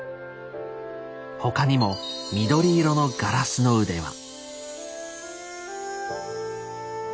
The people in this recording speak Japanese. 他にも緑色のガラスの腕輪。